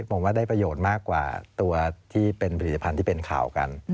ผมว่าได้ประโยชน์มากกว่าตัวที่เป็นผลิตภัณฑ์ที่เป็นข่าวกัน